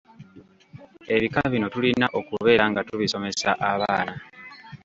Ebika bino tulina okubeera nga tubisomesa abaana.